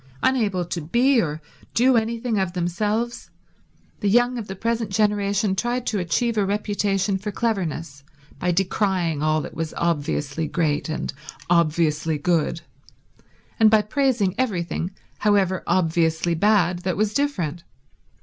Unable to be or do anything of themselves, the young of the present generation tried to achieve a reputation for cleverness by decrying all that was obviously great and obviously good and by praising everything, however obviously bad, that was different.